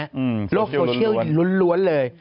โลกโซเชียลนี่ล้วนเลย